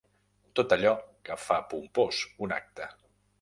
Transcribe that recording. Tot allò que fa pompós un acte.